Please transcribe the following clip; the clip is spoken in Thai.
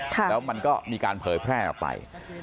แล้วมันก็มีการเผยแพร่ออกไป